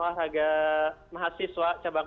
olahraga mahasiswa cabang